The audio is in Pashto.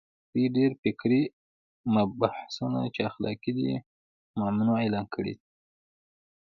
دوی ډېر فکري مبحثونه چې اختلافي دي، ممنوعه اعلان کړي دي